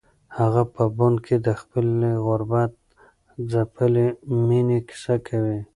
هغه په بن کې د خپلې غربت ځپلې مېنې کیسه کوي.